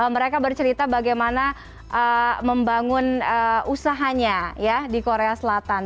mereka bercerita bagaimana membangun usahanya ya di korea selatan